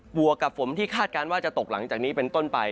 วกกับฝนที่คาดการณ์ว่าจะตกหลังจากนี้เป็นต้นไป